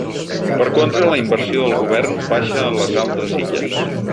Per contra, la inversió del govern baixa a les altres illes.